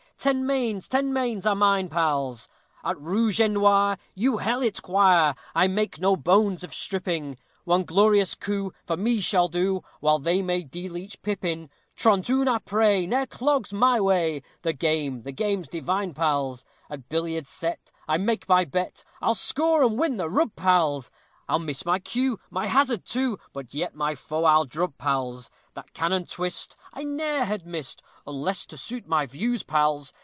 Ten mains! ten mains are mine, pals! At Rouge et Noir, you hellite choir I'll make no bones of stripping; One glorious coup for me shall do, While they may deal each pip in. Trente un après Ne'er clogs my way; The game the game's divine, pals. At billiards set, I make my bet, I'll score and win the rub, pals; I miss my cue, my hazard, too, But yet my foe I'll drub, pals. That cannon twist, I ne'er had missed, Unless to suit my views, pals.